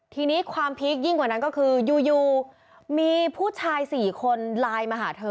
ทีนี้ความพีคยิ่งกว่านั้นก็คืออยู่มีผู้ชาย๔คนไลน์มาหาเธอ